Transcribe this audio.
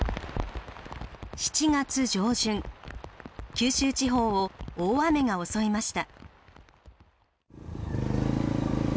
九州地方を大雨が襲いました。